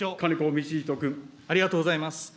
ありがとうございます。